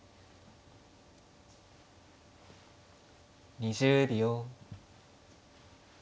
２０秒。